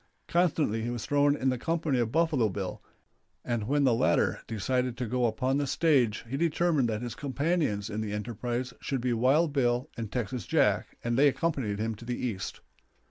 Constantly he was thrown in the company of Buffalo Bill, and when the latter decided to go upon the stage he determined that his companions in the enterprise should be Wild Bill and Texas Jack, and they accompanied him to the East.